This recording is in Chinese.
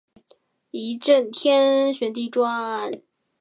一阵天旋地转